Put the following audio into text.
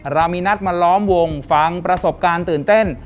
เรามีนัดมาล้อมวงฟังประสบการณ์ตื่นเต้น